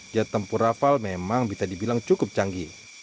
jet tempur rafael memang bisa dibilang cukup canggih